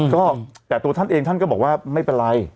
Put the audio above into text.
ก็แต่ตัวท่านเองท่านก็บอกว่าไม่เป็นไร